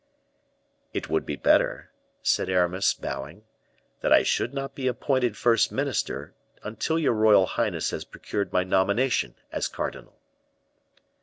"It would be better," said Aramis, bowing, "that I should not be appointed first minister until your royal highness has procured my nomination as cardinal."